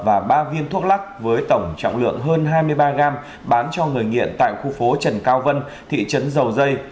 và ba viên thuốc lắc với tổng trọng lượng hơn hai mươi ba g bán cho người nghiện tại khu phố trần cao vân thị trấn dầu dây